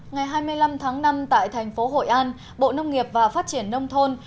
ngày hai mươi năm tháng năm tại thành phố hội an bộ nông nghiệp và phát triển nông thôn